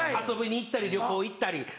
遊びに行ったり旅行行ったり。